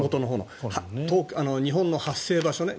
日本の発生場所ね